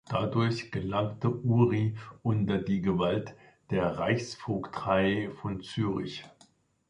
Dadurch gelangte Uri unter die Gewalt der Reichsvogtei von Zürich.